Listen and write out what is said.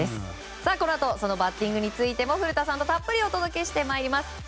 このあとそのバッティングについても古田さんとたっぷりお伝えしてまいります。